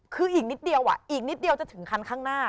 คืออีกนิดเดียวจะถึงคันข้างหน้า